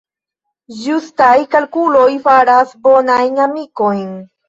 Ĝustaj kalkuloj faras bonajn amikojn.